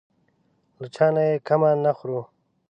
له چا نه یې کمه نه خورو.